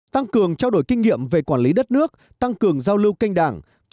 năm một tăng cường trao đổi kinh nghiệm về quản lý đất nước tăng cường giao lưu kênh đảng